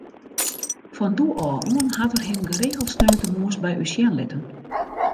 Fan doe ôf oan hat er him geregeld sneontemoarns by ús sjen litten.